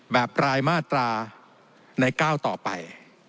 แบบรายมาตราในก้าวต่อไป